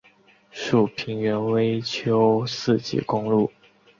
属平原微丘四级公路。